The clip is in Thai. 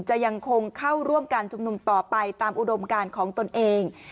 จะยังคงเข้าร่วมการชุมนุมต่อไปตามอุดมการของตนเอง